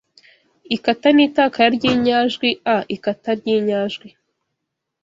Ikata n’itakara ry’inyajwi a Ikata ry’inyajwi